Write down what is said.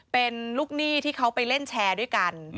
เป็นลูกหนี้ที่เขาไปเล่นแชร์ด้วยกัน